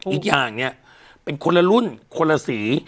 อีกอย่างเนี่ยเป็นคนละรุ่นคนละสี